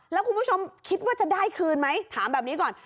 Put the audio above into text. แล้วคุณผู้ชมคิดว่าจะได้คืนไหมถามแบบนี้ก่อน